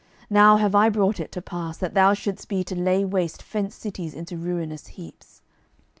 now have I brought it to pass, that thou shouldest be to lay waste fenced cities into ruinous heaps.